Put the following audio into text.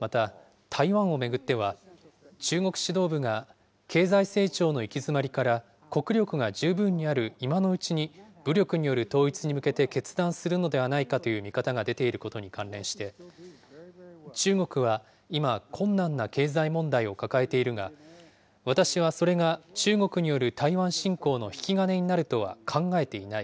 また台湾を巡っては、中国指導部が経済成長の行き詰まりから国力が十分にある今のうちに、武力による統一に向けて決断するのではないかという見方が出ていることに関連して、中国は今、困難な経済問題を抱えているが、私はそれが中国による台湾侵攻の引き金になるとは考えていない。